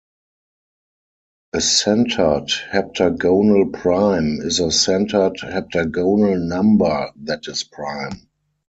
A centered heptagonal prime is a centered heptagonal number that is prime.